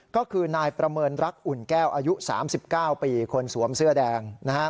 ก็คือนายประเมินรักอุ่นแก้วอายุ๓๙ปีคนสวมเสื้อแดง